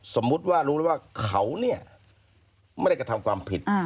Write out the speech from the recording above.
สมมุติว่ารู้แล้วว่าเขาเนี่ยไม่ได้กระทำความผิด